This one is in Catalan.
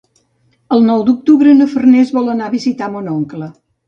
El nou d'octubre na Farners vol anar a visitar mon oncle.